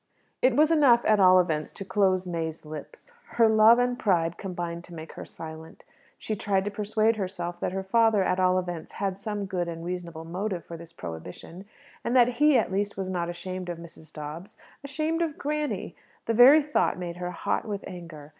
It was enough, at all events, to close May's lips. Her love and pride combined to make her silent. She tried to persuade herself that her father, at all events, had some good and reasonable motive for this prohibition, and that he, at least, was not ashamed of Mrs. Dobbs ashamed of granny! The very thought made her hot with anger.